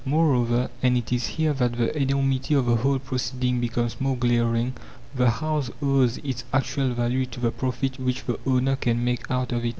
Moreover and it is here that the enormity of the whole proceeding becomes most glaring the house owes its actual value to the profit which the owner can make out of it.